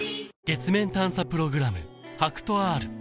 月面探査プログラム